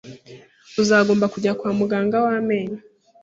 Uzagomba kujya kwa muganga wamenyo